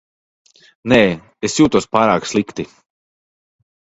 Nē, es jūtos pārāk slikti.